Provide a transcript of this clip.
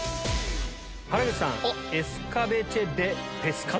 原口さん。